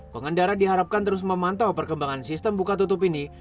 pengendara diharapkan terus memantau perkembangan sistem buka tutup ini